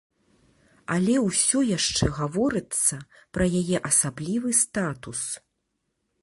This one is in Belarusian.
Але ўсё яшчэ гаворыцца пра яе асаблівы статус.